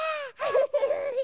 フフフッ。